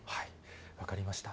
分かりました。